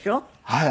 はい。